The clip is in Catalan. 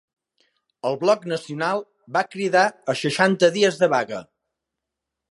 El Bloc nacional va cridar a seixanta dies de vaga.